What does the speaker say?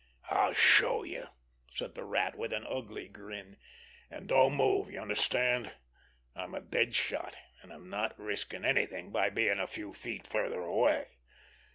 "I'll show you," said the Rat, with an ugly grin. "And don't move—you understand? I'm a dead shot, and I'm not risking anything by being a few feet farther away.